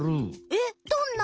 えっどんな？